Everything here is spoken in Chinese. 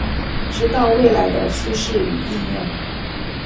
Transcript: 知道未来的趋势与应用